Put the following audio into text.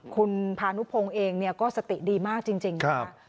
คุณพานุพงเองเนี่ยก็สติดีมากจริงค่ะ